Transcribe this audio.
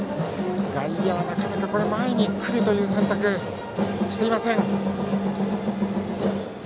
外野はなかなか前に来る選択をしていません。